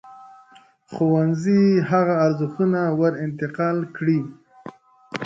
ښوونځی هغه ارزښتونه ور انتقال کړي.